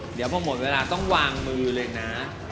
เดี๋ยวพอหมดเวลาต้องวางมือเลยนะ